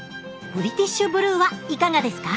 ブリティッシュブルーはいかがですか？